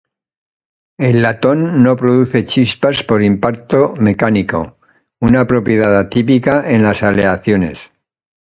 El latón no produce chispas por impacto mecánico, una propiedad atípica en las aleaciones.